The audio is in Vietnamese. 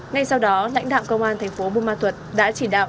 ngay sau đó lãnh đạo công an thành phố bù ma thuật đã chỉ đạo